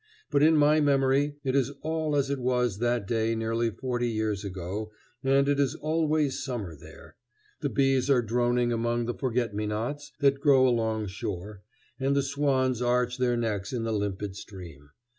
But in my memory it is all as it was that day nearly forty years ago, and it is always summer there. The bees are droning among the forget me nots that grow along shore, and the swans arch their necks in the limpid stream.